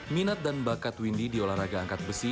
minat dan bakat windy di olahraga angkat besi